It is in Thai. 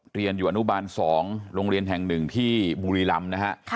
เรียนอยู่อนุบาล๒โรงเรียนแห่ง๑ที่บุรีรำนะฮะ